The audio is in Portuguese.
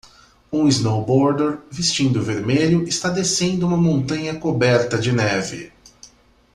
um snowboarder vestindo vermelho está descendo uma montanha coberta de neve.